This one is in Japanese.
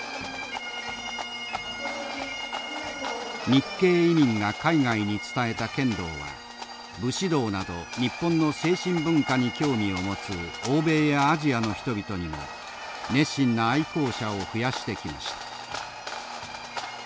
日系移民が海外に伝えた剣道は武士道など日本の精神文化に興味を持つ欧米やアジアの人々にも熱心な愛好者を増やしてきました。